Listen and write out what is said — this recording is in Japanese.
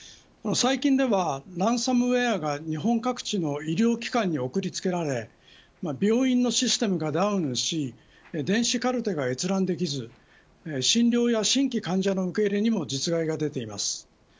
最近では、ランサムウエアが日本各地の医療機関に送りつけられ病院のシステムがダウンし電子カルテが閲覧できず診療や新規患者の受け入れにも実害が出ています。